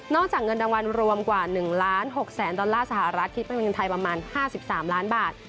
จากเงินรางวัลรวมกว่า๑ล้าน๖แสนดอลลาร์สหรัฐคิดเป็นเงินไทยประมาณ๕๓ล้านบาท